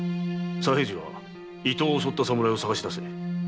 左平次は伊東を襲った侍を捜しだせ。